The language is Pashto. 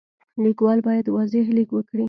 لیکوال باید واضح لیک وکړي.